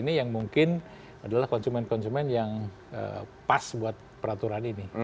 jadi ini yang mungkin adalah konsumen konsumen yang pas buat peraturan ini